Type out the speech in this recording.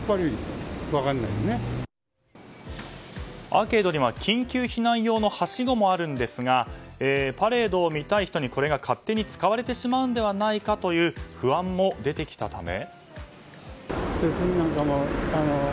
アーケードには緊急避難用のはしごもあるんですがパレードを見たい人にこれが勝手に使われてしまうんではないかと不安も出てきたため。